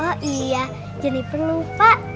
oh iya jadi perlu pak